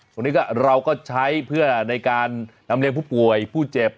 ตรงนี้ก็เราก็ใช้เพื่อในการลำเรียงผู้ป่วยผู้เจ็บ